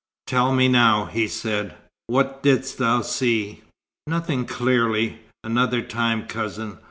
"Tell me now," he said. "What didst thou see?" "Nothing clearly. Another time, cousin.